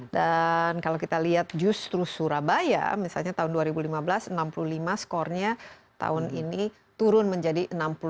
dan kalau kita lihat justru surabaya misalnya tahun dua ribu lima belas enam puluh lima skornya tahun ini turun menjadi enam puluh satu